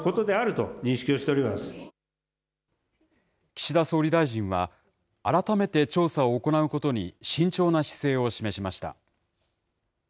岸田総理大臣は、改めて調査を行うことに慎重な姿勢を示しました。